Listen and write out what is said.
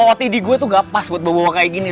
kalau td gue tuh gak pas buat bawa bawa kayak gini